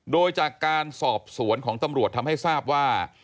โดยจากการสอบสวนของตำรวจทำให้ทราบว่า